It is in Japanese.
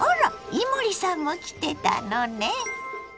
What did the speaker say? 伊守さんも来てたのね。